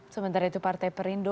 sementara itu partai perindo